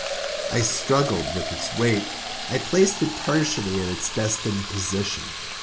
I struggled with its weight; I placed it partially in its destined position.